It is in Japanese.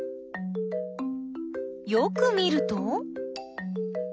よく見ると。